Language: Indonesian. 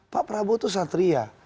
pak prabowo itu satria